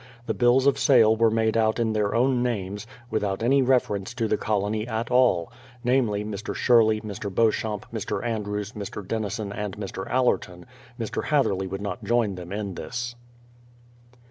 The bills of sale were made out in their own names, without any reference to the colony at all ; namely, Mr. Sherley, Mr. Beauchamp, Mr. Andrews, Mr. Denison, and Mr. Allerton, — Mr. Hatherley would not join them in this.